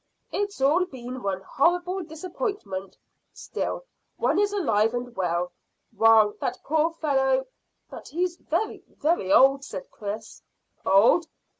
"It's all been one horrible disappointment. Still one is alive and well, while that poor fellow " "But he's very, very old," said Chris. "Old?